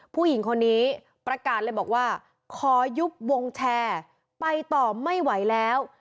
ผู้หญิงคนนี้ประกาศเลยบอกว่าขอยุบวงแชร์ไปต่อไม่ไหวแล้ว